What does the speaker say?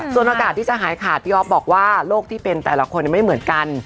ส่วนอากาศที่จะหายขาดพี่อ๊อฟบอกว่าโรคที่เป็นแต่ละคนไม่เหมือนกัน